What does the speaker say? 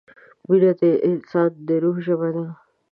مینه د انسان د روح ژبه ده.